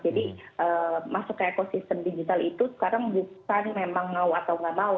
jadi masuk ke ekosistem digital itu sekarang bukan memang mau atau nggak mau